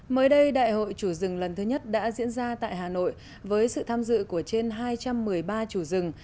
mới đây đại hội chủ rừng lần thứ nhất đã diễn ra tại hà nội với sự tham dự của trên hai trăm một mươi ba chủ rừng